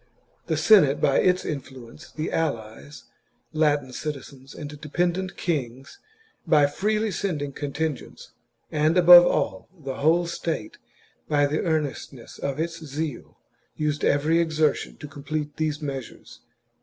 The Senate by its influence, the allies, Latin citizens, and dependent kings, by freely sending contingents, and above all, the whole state by the earnestness of its zeal, used every exertion to complete these measures.